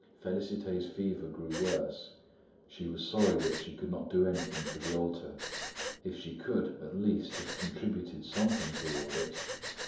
Félicité's fever grew worse. She was sorry that she could not do anything for the altar. If she could, at least, have contributed something toward it!